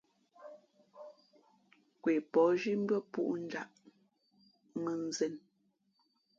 Nkwe pα̌h zhí mbʉ́ά pūꞌ njāꞌ mᾱnzēn.